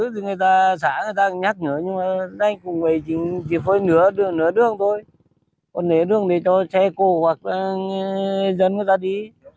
có người ta cũng có nói là những người đánh thị